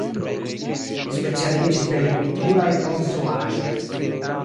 Li specialiĝis pri agrikulturaj konstruaĵoj.